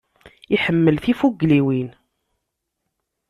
Iḥemmel tifugliwin.